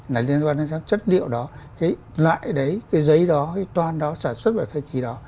là liên quan đến xem chất liệu đó cái loại đấy cái giấy đó cái toan đó sản xuất vào thời kỳ đó